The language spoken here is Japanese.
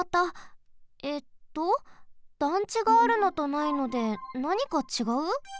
えっと団地があるのとないのでなにかちがう？